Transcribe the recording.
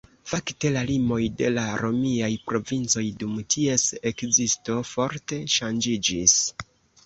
Fakte la limoj de la romiaj provincoj dum ties ekzisto forte ŝanĝiĝis.